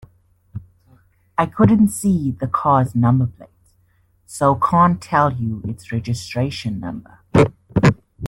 I couldn't see the car's number plate, so can't tell you its registration number